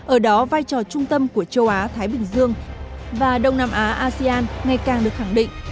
ở đó vai trò trung tâm của châu á thái bình dương và đông nam á asean ngày càng được khẳng định